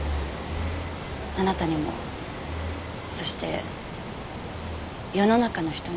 あなたにもそして世の中の人にも。